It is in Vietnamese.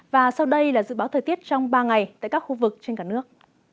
và sau đây là dự báo thời tiết trong ba ngày tại các khu vực trên cả nước